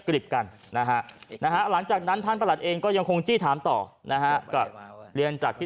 ริบกันนะฮะนะฮะหลังจากนั้นท่านประหลัดเองก็ยังคงจี้ถามต่อนะฮะก็เรียนจากที่